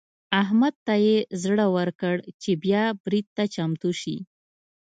احمد ته يې زړه ورکړ چې بيا برید ته چمتو شي.